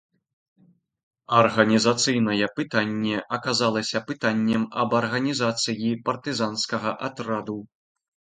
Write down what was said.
Арганізацыйнае пытанне аказалася пытаннем аб арганізацыі партызанскага атрада.